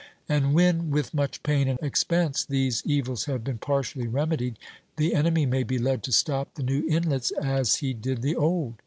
And when with much pain and expense these evils have been partially remedied, the enemy may be led to stop the new inlets as he did the old.